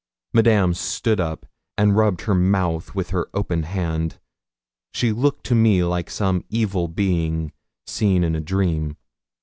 Madame stood up, and rubbed her mouth with her open hand. She looked to me like some evil being seen in a dream.